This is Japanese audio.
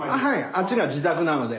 あっちが自宅なので。